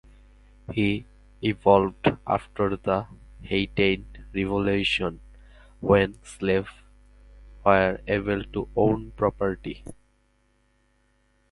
He evolved after the Haitian Revolution when slaves were able to own property.